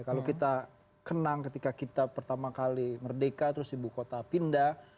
kalau kita kenang ketika kita pertama kali merdeka terus ibu kota pindah